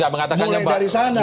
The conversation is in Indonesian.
mulai dari sana